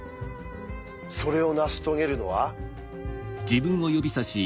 それを成し遂げるのは。